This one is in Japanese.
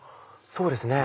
そうですね。